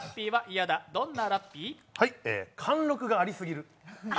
はい、貫禄がありすぎる。